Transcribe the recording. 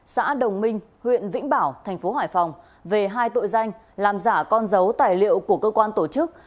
xã đồng minh huyện vĩnh bảo thành phố hải phòng về hai tội danh làm giả con dấu tài liệu của cơ quan tổ chức